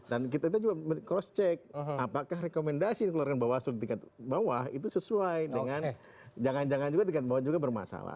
dan kita juga cross check apakah rekomendasi dikeluarkan bawaslu di tingkat bawah itu sesuai dengan jangan jangan juga tingkat bawah juga bermasalah